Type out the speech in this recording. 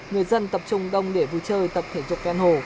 người dân tập trung đông để vui chơi tập thể dục ven hồ